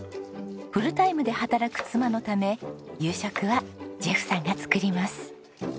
フルタイムで働く妻のため夕食はジェフさんが作ります。